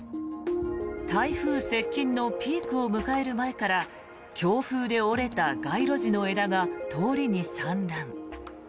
台風接近のピークを迎える前から強風で折れた街路樹の枝が通りに散乱。